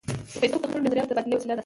فېسبوک د خپلو نظریاتو د تبادلې وسیله ده